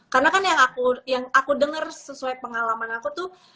karena kan yang aku dengar sesuai pengalaman aku tuh